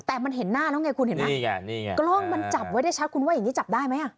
แต่มันเห็นหน้าแล้วไงคุณเห็นไหมนี่ไงนี่ไงกล้องมันจับไว้ได้ชัดคุณว่าอย่างนี้จับได้ไหมอ่ะ